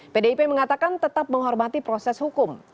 pdip mengatakan tetap menghormati proses hukum